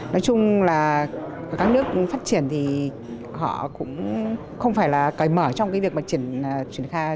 nói chung là các nước phát triển thì họ cũng không phải là cải mở trong cái việc mà chuyển